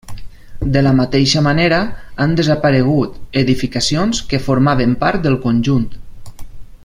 De la mateixa manera han desaparegut edificacions que formaven part del conjunt.